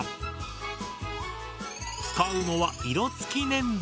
使うのは色付き粘土。